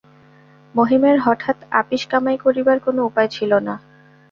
মহিমের হঠাৎ আপিস কামাই করিবার কোনো উপায় ছিল না।